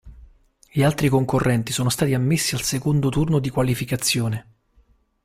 Gli altri concorrenti sono stati ammessi al secondo turno di qualificazione.